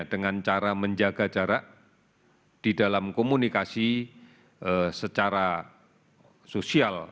dengan cara menjaga jarak di dalam komunikasi secara sosial